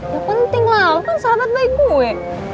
ya penting lah lo kan sahabat baik gue